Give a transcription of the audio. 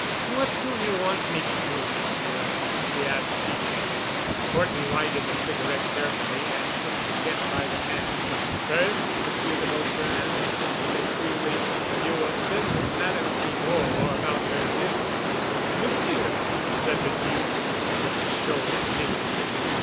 "What do you want me to do, Monsieur?" he asked peevishly. Horton lighted a cigarette carefully and took Piquette by the hand. "First, Monsieur de Vautrin," he said coolly, "you will send Madame Thibaud about her business——" "Monsieur!" said the Duc with a show of dignity.